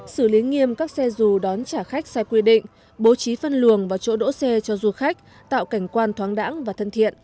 xử lý nghiêm các xe dù đón trả khách sai quy định bố trí phân luồng và chỗ đỗ xe cho du khách tạo cảnh quan thoáng đẳng và thân thiện